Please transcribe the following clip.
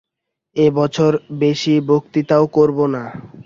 এই বছর বেশী বক্তৃতাও করব না।